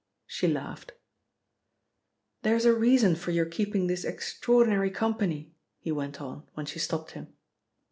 She laughed. "There is a reason for your keeping this extraordinary company," he went on, when she stopped him.